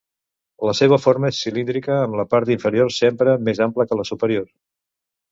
La seva forma és cilíndrica amb la part inferior sempre més ampla que la superior.